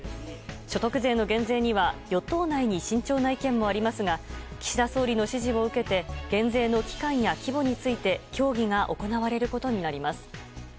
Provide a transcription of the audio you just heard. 所得税の減税には与党内に慎重な意見もありますが岸田総理の指示を受けて減税の期間や規模について協議が行われることになります。